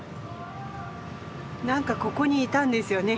何かここにいたんですよね